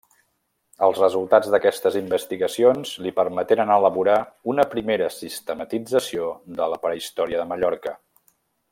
Els resultats d'aquestes investigacions li permeteren elaborar una primera sistematització de la prehistòria de Mallorca.